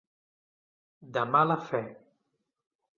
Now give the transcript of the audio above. De mala fe.